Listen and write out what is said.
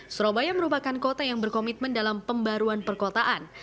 surabaya merupakan kota yang berkomitmen dalam pembaruan perkotaan